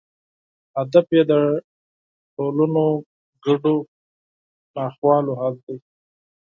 هدف یې د ټولنو ګډو ناخوالو حل دی.